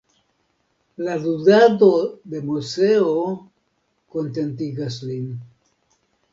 La ludado de Moseo kontentigas lin.